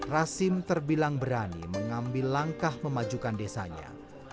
rasim terbilang berani mengambil langkah memajukan desanya